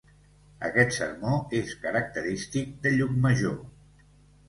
Aquest sermó és característic de Llucmajor.